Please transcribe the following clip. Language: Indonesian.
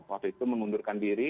waktu itu mengundurkan diri